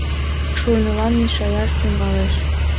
Шурнылан мешаяш тӱҥалеш.